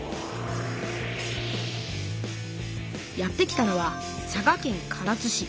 やって来たのは佐賀県唐津市。